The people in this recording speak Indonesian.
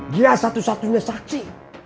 dia satu satunya saksi